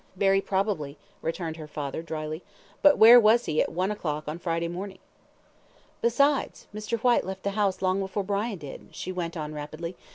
"Very probably," returned her father, dryly; "but where was he at one o'clock on Friday morning?" "Besides, Mr. Whyte left the house long before Brian did," she went on rapidly.